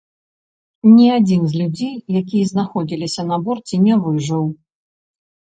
Ні адзін з людзей, якія знаходзіліся на борце, не выжыў.